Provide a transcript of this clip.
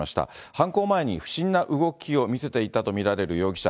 犯行前に不審な動きを見せていたと見られる容疑者。